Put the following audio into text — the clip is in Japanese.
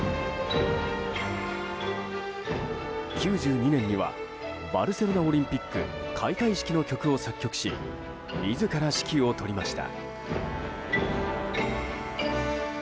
９２年にはバルセロナオリンピック開会式の曲を作曲し自ら指揮を執りました。